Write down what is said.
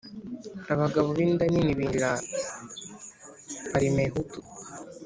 Abagabo b'inda nini binjira Parimehutu